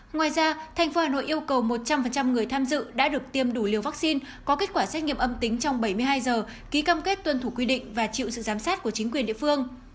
ngoài ra tp hà nội yêu cầu một trăm linh người tham dự đã được tiêm đủ liều vaccine có kết quả xét nghiệm âm tính trong bảy mươi hai giờ ký cam kết tuân thủ quy định và chịu sự giám sát của chính quyền địa phương